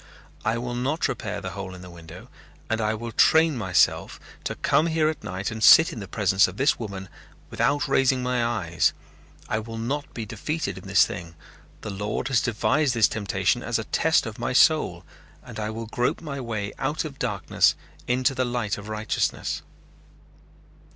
"I will not repair the hole in the window and I will train myself to come here at night and sit in the presence of this woman without raising my eyes. I will not be defeated in this thing. The Lord has devised this temptation as a test of my soul and I will grope my way out of darkness into the light of righteousness."